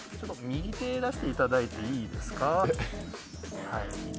右手を出していただいていいですか？